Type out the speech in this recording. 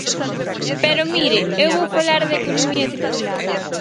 Pero, mire, eu vou falar de economía circular.